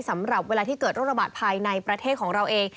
สำหรับเวลาที่เกิดโรคระบาดภายในประเทศของเราเอง